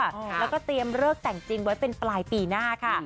แล้วก็เตรียมเลิกแต่งจริงไว้เป็นปลายปีหน้าค่ะ